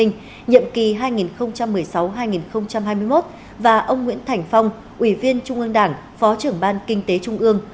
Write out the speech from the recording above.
nhiệm kỳ hai nghìn một mươi sáu hai nghìn hai mươi một và ông nguyễn thành phong ubnd phó trưởng ban kinh tế trung ương